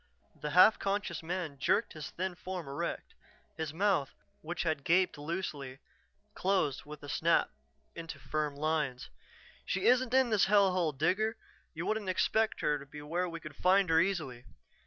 The half conscious man jerked his thin form erect. His mouth, which had gaped loosely, closed with a snap into firm lines. "She isn't in this hell hole, Digger. You wouldn't expect her to be where we could find her easily."